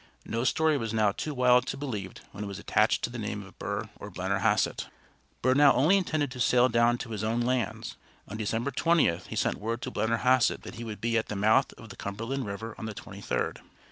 No story was now too wild to be believed when it was attached to the name of Burr or Blennerhassett. Burr now only intended to sail down to his own lands. On December 20th he sent word to Blennerhassett that he would be at the mouth of the Cumberland River on the twenty third.